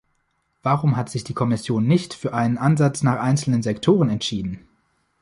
Warum hat sich die Kommission nicht für einen Ansatz nach einzelnen Sektoren entschieden?